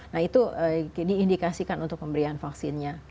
nah itu diindikasikan untuk pemberian vaksinnya